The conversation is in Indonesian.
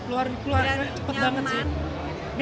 luar biasa cepat banget sih